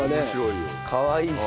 かわいいし。